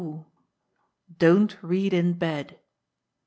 Don't Read in Bed.